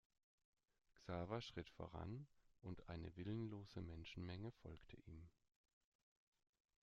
Xaver schritt voran und eine willenlose Menschenmenge folgte ihm.